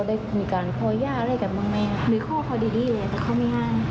แล้วเราได้ผู้หญิงการขอแย่อะไรกันบ้างมั้ยหรือพ่อเค้าดีเลยแต่เค้าไม่ห้าม